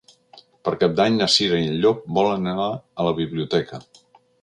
Per Cap d'Any na Cira i en Llop volen anar a la biblioteca.